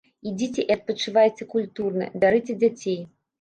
Ідзіце і адпачывайце культурна, бярыце дзяцей.